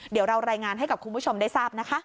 เดี๋ยวเรารายงานให้กับคุณผู้ชมได้ทราบนะคะ